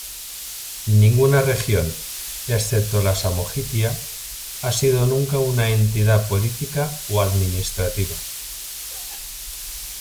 Ninguna región, excepto la Samogitia, ha sido nunca una entidad política o administrativa.